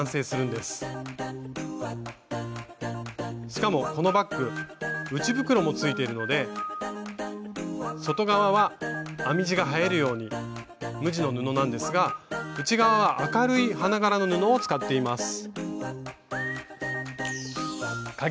しかもこのバッグ内袋もついているので外側は編み地が映えるように無地の布なんですが内側は明るい花柄の布を使っています。